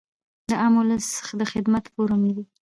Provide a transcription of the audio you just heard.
د عام اولس د خدمت فورم وي -